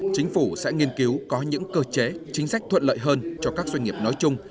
chính phủ sẽ nghiên cứu có những cơ chế chính sách thuận lợi hơn cho các doanh nghiệp nói chung